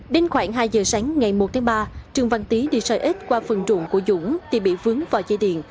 đến khoảng hai giờ sáng ngày một tháng ba trương văn tý đi sợi ếch qua phần trụng của dũng thì bị vướng vào dây điện